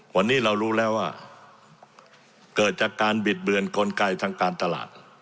วันนี้เรารู้แล้วว่าเกิดจากการบิดเบือนกลไกทางการตลาด